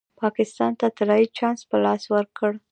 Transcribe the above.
پاکستان ته طلايي چانس په لاس ورکړ.